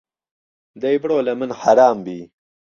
دهی بڕۆ له من حهرام بی